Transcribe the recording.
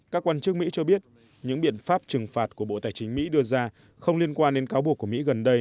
các quan chức mỹ cho biết những biện pháp trừng phạt của bộ tài chính mỹ đưa ra không liên quan đến cáo buộc của mỹ gần đây